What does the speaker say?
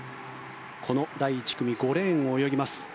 この第１組５レーンを泳ぎます。